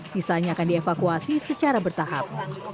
sisanya akan dievakuasi secara bertahap